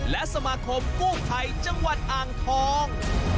และสมาคมกู้ภัยจังหวัดอ่างทอง